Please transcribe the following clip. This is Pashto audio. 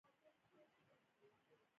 څو کارګرانو یو د بل ترڅنګ په جلا ډول کار کاوه